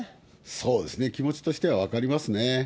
そうですね、気持ちとしては分かりますね。